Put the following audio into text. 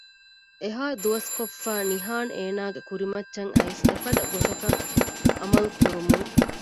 އެހާ ދުވަސްކޮށްފައި ނިހާން އޭނަގެ ކުރިމައްޗަށް އައިސް އެފަދަ ގޮތަކަށް އަމަލު ކުރުމުން